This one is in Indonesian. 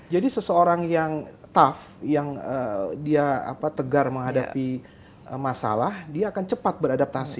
jadi seseorang yang tough yang dia tegar menghadapi masalah dia akan cepat beradaptasi